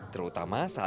terutama saat berjalan